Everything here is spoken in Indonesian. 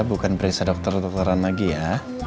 bukan periksa dokter dokteran lagi ya